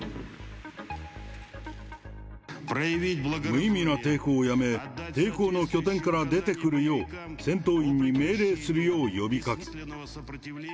無意味な抵抗をやめ、抵抗の拠点から出てくるよう、戦闘員に命令するよう呼びかける。